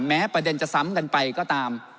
แม้ประเด็นจะซ้ำกันไปก็ตาม